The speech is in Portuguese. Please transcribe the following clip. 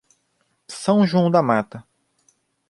São João da Mata